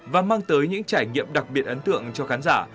và mang tới những trải nghiệm đặc biệt ấn tượng cho khán giả